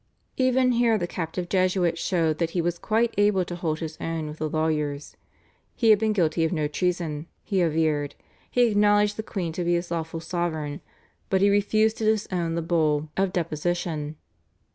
Even here the captive Jesuit showed that he was quite able to hold his own with the lawyers. He had been guilty of no treason, he averred; he acknowledged the queen to be his lawful sovereign; but he refused to disown the Bull of Deposition.